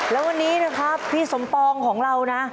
แล้ววันนี้นะครับพี่สมปองของเรานะ